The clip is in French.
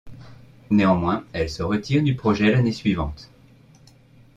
Néanmoins, elle se retire du projet l'année suivante.